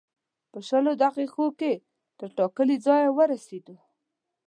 په شلو دقیقو کې تر ټاکلي ځایه ورسېدو.